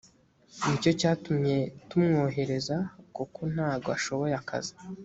ni cyo cyatumye tumwohereza kuko ntago ashoboye akazi